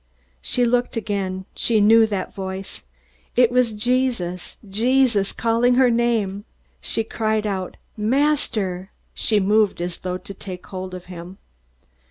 She looked again. She knew that voice. It was Jesus Jesus calling her name! She cried out, "Master!" She moved as though to take hold of him.